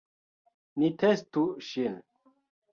Ni testu ŝin